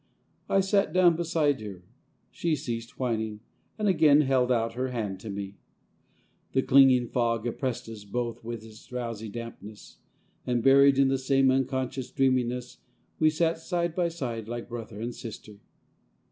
I sat down beside her ; she ceased whining, and again held out her hand to me. The clinging fog oppressed us both with its drowsy dampness ; and buried in the same un 318 POEMS IN PROSE conscious dreaminess, we sat side by side like brother and sister.